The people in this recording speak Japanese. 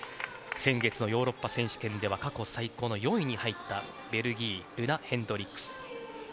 先月のヨーロッパ選手権では過去最高の４位に入ったベルギールナ・ヘンドリックス。